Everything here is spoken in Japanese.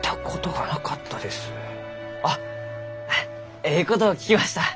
あっえいことを聞きました。